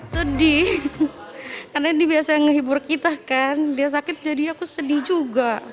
sedih karena ini biasa menghibur kita kan dia sakit jadi aku sedih juga